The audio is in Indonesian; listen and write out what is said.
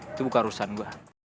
itu bukan urusan gue